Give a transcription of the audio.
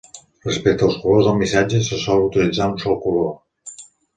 Respecte als colors del missatge, se sol utilitzar un sol color.